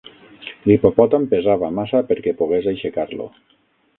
L'hipopòtam pesava massa perquè pogués aixecar-lo.